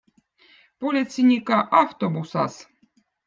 politseinikkõ aftobuzaz